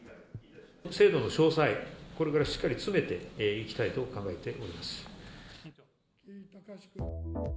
制度の詳細、これからしっかり詰めていきたいと考えております。